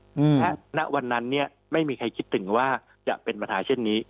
ณวันนั้นเนี่ยไม่มีใครคิดถึงว่าจะเป็นปัญหาเช่นนี้